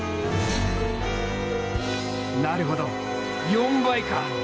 なるほど４倍か！